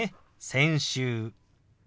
「先週」。